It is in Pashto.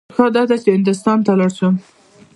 ښه داده چې هندوستان ته ولاړ شم.